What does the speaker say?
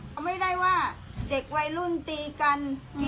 เอาไม่ได้ว่าเด็กวัยรุ่นตีกัน